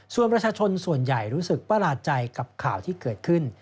ส่วนประชาชนส่วนใหญ่รู้สึกประหลาดใจกับข่าวที่เกิดขึ้น